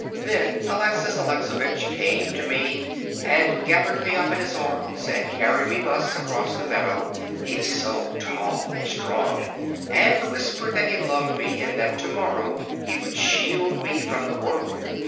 Then Alexis Alexovitch came to me and gathered me up in his arms and carried me thus across the meadow—he is so tall and strong— and whispered that he loved me, and that to morrow he would shield me from the world.